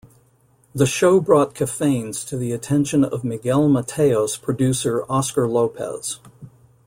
The show brought Cafaines to the attention of Miguel Mateos' producer Oscar Lopez.